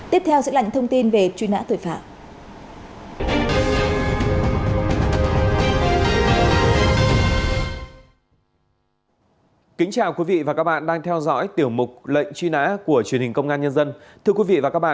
tiếp theo sẽ là những thông tin về truy nã tội phạm